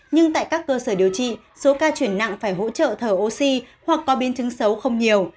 nhưng tại các cơ sở điều trị số ca chuyển nặng phải hỗ trợ thở oxy hoặc có biến chứng xấu không nhiều